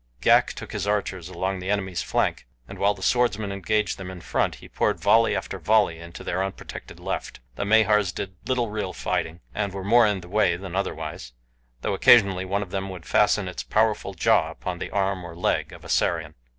Ghak took his archers along the enemy's flank, and while the swordsmen engaged them in front, he poured volley after volley into their unprotected left. The Mahars did little real fighting, and were more in the way than otherwise, though occasionally one of them would fasten its powerful jaw upon the arm or leg of a Sarian.